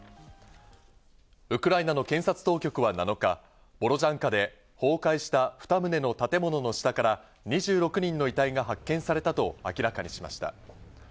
ウクライナの検察当局は７日、ボロジャンカで崩壊した２棟の建物の下から２６人の遺体が発見されたと明らかにしました。